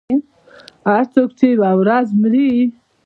• هر څوک چې یوه ورځ مري.